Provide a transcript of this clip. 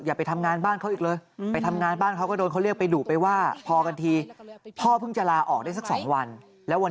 แต่มันเพราะว่ามันไม่มีไฟใช้ครับ